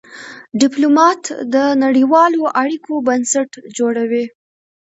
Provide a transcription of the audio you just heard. ډيپلومات د نړېوالو اړیکو بنسټ جوړوي.